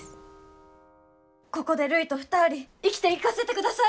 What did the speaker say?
ここでるいと２人生きていかせてください！